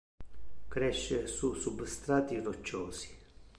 Cresce su substrati rocciosi.